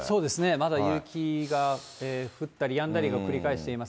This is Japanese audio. まだ雪が降ったりやんだりが繰り返しています。